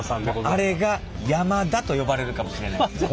あれが山田と呼ばれるかもしれないですね。